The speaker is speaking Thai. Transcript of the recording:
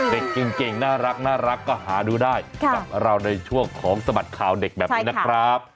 เด็กเก่งน่ารักก็หาดูได้กับเราในช่วงของสบัดข่าวเด็กแบบนี้นะครับ